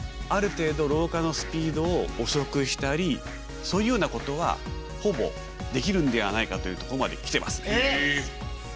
ある程度老化のスピードを遅くしたりそういうようなことはほぼできるんではないかというとこまで来てます。